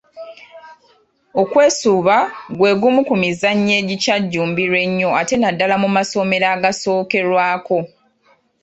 Okwesuuba gwe gumu ku mizannyo egikyajjumbirwa ennyo ate naddala mu masomero agasookerwako.